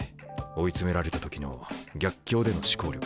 追い詰められた時の逆境での思考力